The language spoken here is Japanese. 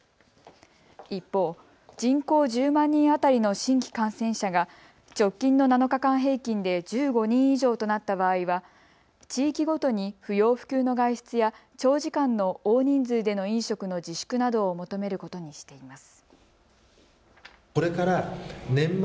一方、人口１０万人当たりの新規感染者が直近の７日間平均で１５人以上となった場合は地域ごとに不要不急の外出や長時間の大人数での飲食の自粛などを求めることにしています。